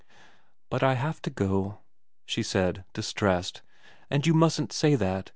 ' But I have to go,' she said, distressed. ' And you mustn't say that.